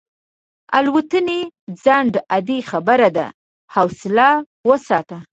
د الوتنې ځنډ عادي خبره ده، حوصله وساته.